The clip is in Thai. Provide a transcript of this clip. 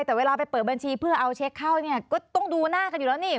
แต่เวลาไปเปิดบัญชีเพื่อเอาเช็คเข้าเนี่ยก็ต้องดูหน้ากันอยู่แล้วนี่